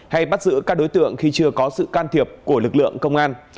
hay bắt giữ các đối tượng khi chưa có sự can thiệp của lực lượng công an